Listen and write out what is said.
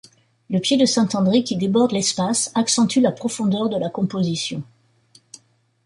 Le pied de saint André, qui déborde l’espace, accentue la profondeur de la composition.